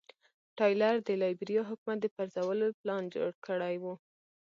ټایلر د لایبیریا حکومت د پرځولو پلان جوړ کړی و.